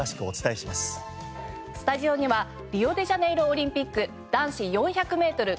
スタジオにはリオデジャネイロオリンピック男子４００メートル